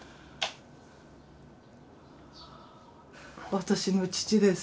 私の父です。